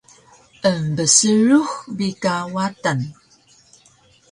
embsrux bi ka Watan